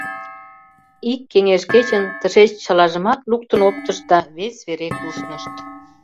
Ик кеҥеж кечын тышеч чылажымат луктын оптышт да вес вере куснышт.